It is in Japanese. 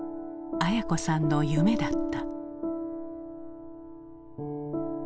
文子さんの夢だった。